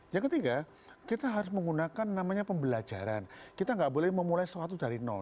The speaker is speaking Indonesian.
yang ketiga kita harus menggunakan namanya pembelajaran kita nggak boleh memulai sesuatu dari nol